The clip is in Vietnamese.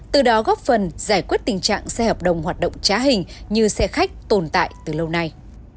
từ đó góp phần giải quyết tình trạng xe hợp đồng hoạt động trá hình như xe khách tồn tại từ lâu nay